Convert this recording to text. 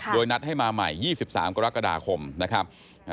โดยนัดให้มาใหม่๒๓กรกฎาคมนะครับ